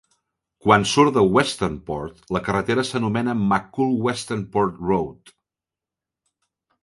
Quan surt de Westernport, la carretera s'anomena McCoole-Westernport Road.